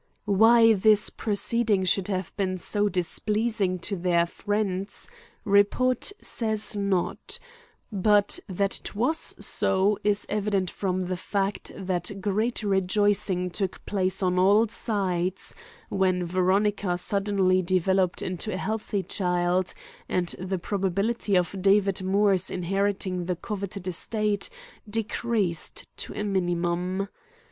Why this proceeding should have been so displeasing to their friends report says not; but that it was so, is evident from the fact that great rejoicing took place on all sides when Veronica suddenly developed into a healthy child and the probability of David Moore's inheriting the coveted estate decreased to a minimum.